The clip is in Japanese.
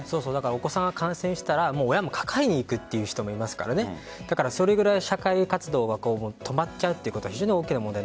お子さんが感染したら親もかかりにいくという人もいますからそれぐらい社会活動が止まっちゃうということは非常に大きな問題。